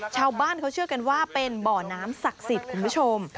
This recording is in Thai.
ชาวบ้านเขาเชื่อกันว่าเป็นบ่อน้ำศักดิ์สิทธิ์คุณผู้ชม